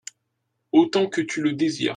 Autant que tu le désires.